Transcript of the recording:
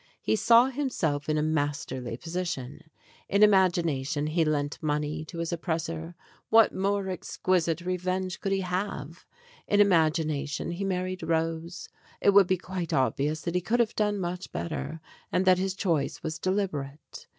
He saw himself in a masterly position. In imagination he lent money to his oppressor. What more exquisite revenge could he have? In imagina tion he married Rose. It would be quite obvious that he could have done much better, and that his choice was deliberate.